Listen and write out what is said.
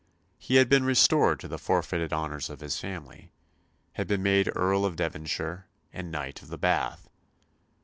He had been restored to the forfeited honours of his family, had been made Earl of Devonshire and Knight of the Bath.